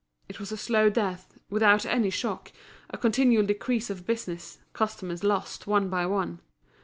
It was a slow death, without any shock, a continual decrease of business, customers lost one by one.